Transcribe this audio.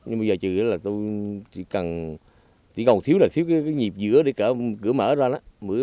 nhưng bây giờ chỉ cần chỉ còn thiếu là thiếu cái nhịp giữa để cửa mở ra đó